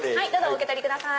お受け取りください。